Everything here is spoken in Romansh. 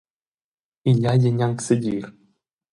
Igl ei gie gnanc segir.